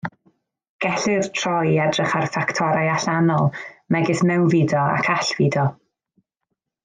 Gellir troi i edrych ar ffactorau allanol, megis mewnfudo ac allfudo.